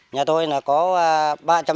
nhà tôi là có ba đứa